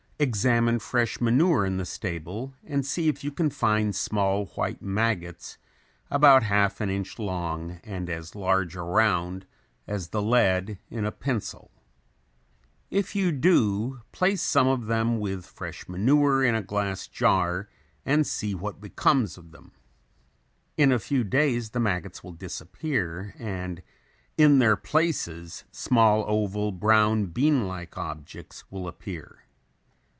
Examine fresh manure in the stable and see if you can find small white maggots about half an inch long and as large around as the lead in a pencil. If you do, place some of them with some fresh manure in a glass jar and see what becomes of them. In a few days the maggots will disappear and in their places small oval, brown bean like objects will appear.